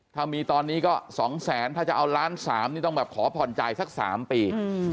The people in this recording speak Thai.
ถ้ามีตอนนี้ก็๒แสนถ้าจะเอาล้านสามนี่ต้องแบบขอผ่อนจ่ายสัก๓ปี